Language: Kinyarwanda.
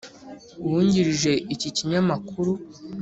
Uwungirije iki kinyamakuru.